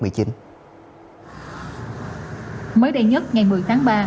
mới đây nhất ngày một mươi tháng ba